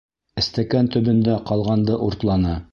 Эстәкән төбөндә ҡалғанды уртланы.